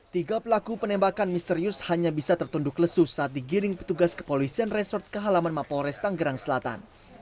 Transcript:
tiga pelaku penembakan misterius hanya bisa tertunduk lesu saat digiring petugas kepolisian resort ke halaman mapolres tanggerang selatan